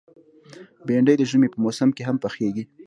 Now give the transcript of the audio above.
بېنډۍ د ژمي په موسم کې هم پخېږي